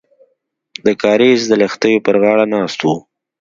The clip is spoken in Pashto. د کاریز د لښتیو پر غاړه ناست وو.